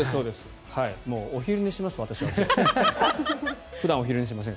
お昼寝します、私はもう。